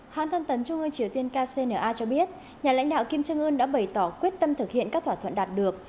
hãng thân tấn trung ương triều tiên kcna cho biết nhà lãnh đạo kim trương ương đã bày tỏ quyết tâm thực hiện các thỏa thuận đạt được